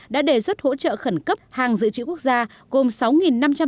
đã đề xuất hỗ trợ khẩn cấp hàng dự trữ quốc gia gồm sáu năm trăm linh tấn gạo